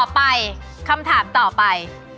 ไปคำถามต่อไป